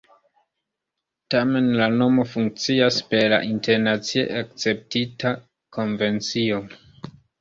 Tamen la nomo funkcias per la internacie akceptita konvencio.